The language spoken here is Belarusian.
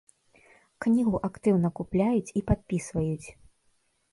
Кнігу актыўна купляюць і падпісваюць.